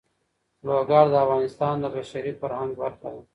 لوگر د افغانستان د بشري فرهنګ برخه ده.